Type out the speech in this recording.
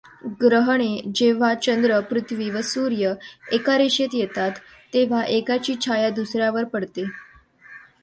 ग्रहणे जेव्हा चंद्र, पृथ्वी व सूर्य एका रेषेत येतात, तेव्हा एकाची छाया दुसऱ्यावर पडते.